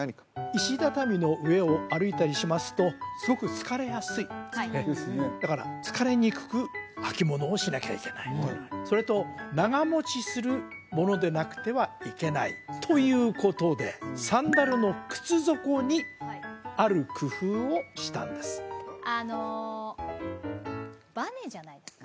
石畳の上を歩いたりしますとすごく疲れやすいですねだから疲れにくく履物をしなきゃいけないそれと長持ちするものでなくてはいけないということでサンダルの靴底にある工夫をしたんですあのバネじゃないですか？